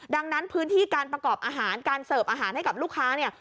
ดังนั้นพื้นที่การประกอบอาหารการเสิร์ฟอาหารให้กับลูกค้าเนี่ย